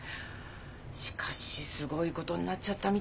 しかしすごいことになっちゃったみたいね。